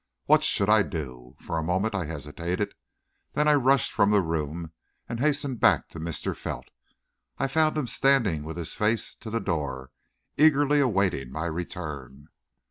What should I do? For a moment I hesitated, then I rushed from the room and hastened back to Mr. Felt. I found him standing with his face to the door, eagerly awaiting my return.